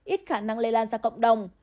ít khả năng lây lan ra cộng đồng